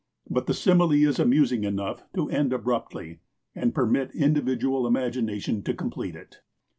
But the simile is amusing enough to end abruptly, and permit individual imagination to complete it.